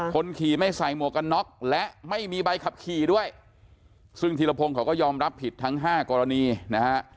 คนขี่ไม่ใส่หมวกกันน็อกและไม่มีใบขับขี่ด้วยซึ่งธีรพงศ์เขาก็ยอมรับผิดทั้งห้ากรณีนะฮะ